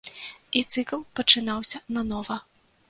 І цыкл пачынаўся нанова.